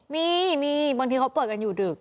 มีมีบางทีเขาเปิดกันอยู่ดึก